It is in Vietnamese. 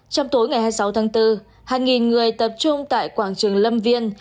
trong tối ngày hai mươi sáu tháng bốn hàng nghìn người tập trung tại quảng trường lâm viên